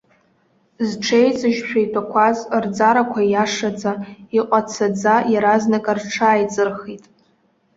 Зҽеиҵыжьшәа итәақәаз, рӡарақәа иашаӡа, иҟацаӡа иаразнак рҽааиҵырхит.